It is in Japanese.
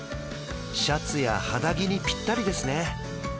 シャツや肌着にぴったりですね